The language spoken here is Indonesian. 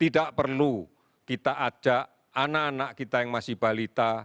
tidak perlu kita ajak anak anak kita yang masih balita